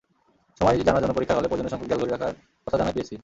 সময় জানার জন্য পরীক্ষার হলে প্রয়োজনীয়সংখ্যক দেয়ালঘড়ি রাখার কথা জানায় পিএসসি।